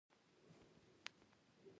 د دوی په مقابل کې نورې ډلې.